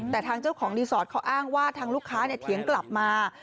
แต่ทางเจ้าของรีสอร์ทเขาอ้างว่าทางลูกค้าเถียงกลับมา